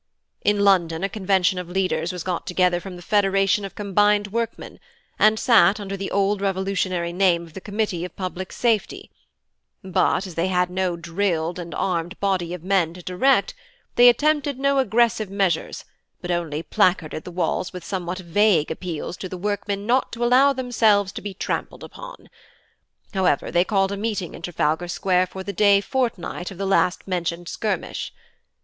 In London a convention of leaders was got together from the Federation of Combined Workmen, and sat under the old revolutionary name of the Committee of Public Safety; but as they had no drilled and armed body of men to direct, they attempted no aggressive measures, but only placarded the walls with somewhat vague appeals to the workmen not to allow themselves to be trampled upon. However, they called a meeting in Trafalgar Square for the day fortnight of the last mentioned skirmish.